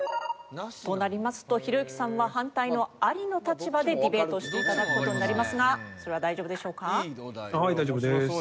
となりますとひろゆきさんは反対のアリの立場でディベートをしていただく事になりますがそれは大丈夫でしょうか？